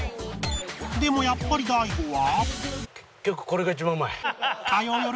でもやっぱり大悟は